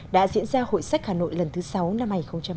đã diễn ra hội sách hà nội lần thứ sáu năm hai nghìn một mươi chín